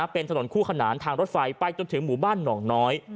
เป็นถนนคู่ขนานทางรถไฟไปจนถึงหมู่บ้านหนองน้อย